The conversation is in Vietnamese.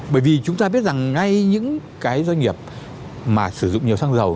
bởi vì chúng ta biết rằng ngay những cái doanh nghiệp mà sử dụng nhiều xăng dầu